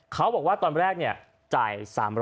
เขาบอกว่าตอนแรกเนี่ยจ่าย๓๐๐